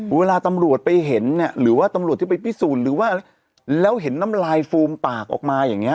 เวลาตำรวจไปเห็นเนี่ยหรือว่าตำรวจที่ไปพิสูจน์หรือว่าแล้วเห็นน้ำลายฟูมปากออกมาอย่างเงี้